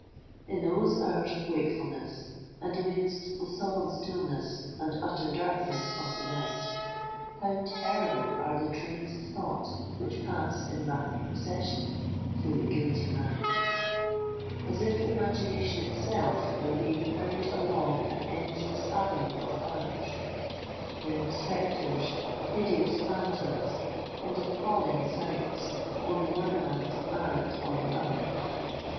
In those hours of wakefulness, and amidst the solemn stillness and utter darkness of the night, how terrible are the trains of thought which pass in rapid procession through the guilty mind,—as if imagination itself were being hurried along an endless avenue of horrors—grim spectres, hideous phantoms, and appalling sights on the one hand and on the other!